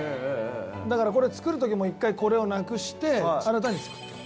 だからこれ造る時も一回これをなくして新たに造ったの。